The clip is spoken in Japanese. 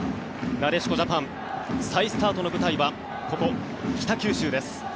なでしこジャパン再スタートの舞台はここ、北九州です。